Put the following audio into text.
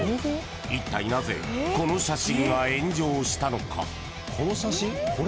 一体なぜこの写真が炎上したのか。